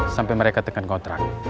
sampai mereka tekan kontrak